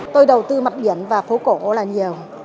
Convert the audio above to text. tôi đầu tư mặt biển và phố cổ là nhiều